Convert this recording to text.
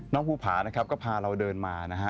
ภูผานะครับก็พาเราเดินมานะฮะ